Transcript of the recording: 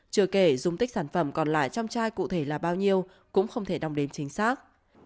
chừa kể dùng tích sản phẩm còn lại trong chai cụ thể là bao nhiêu cũng không thể đong đến chính xác